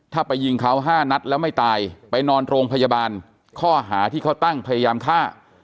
ถ้าไปยิงเขา๕นัดแล้วไม่ตายไปนอนโรงพยาบาลข้อหาที่เขาตั้งพยายามฆ่า